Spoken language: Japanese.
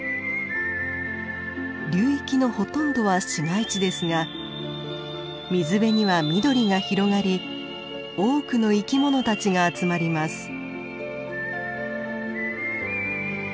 流域のほとんどは市街地ですが水辺には緑が広がり多くの生きものたちが集まります。